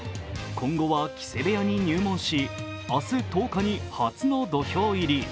今後は木瀬部屋に入門し、明日１０日に初の土俵入り。